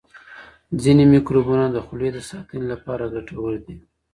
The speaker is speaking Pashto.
ځینې میکروبونه د خولې د ساتنې لپاره ګټور دي.